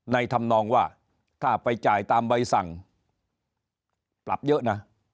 ทำนองว่าถ้าไปจ่ายตามใบสั่งปรับเยอะนะ